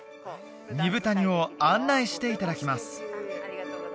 二風谷を案内していただきます